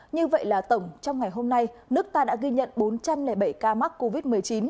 như vậy là tổng trong ngày hôm nay nước ta đã ghi nhận bốn trăm linh bảy ca mắc covid một mươi chín